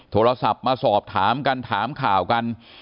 โทรศัพท์มาสอบถามกันถามข่าวกัน